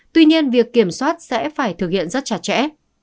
tuy nhiên việc kiểm soát sẽ phải thực hiện rất chặt chẽ